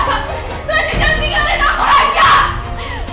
rajak jangan tinggalin aku rajak